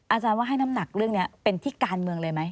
อาจารย์ว่าให้น้ำหนักเรื่องนี้เป็นที่การเมืองเลยไหม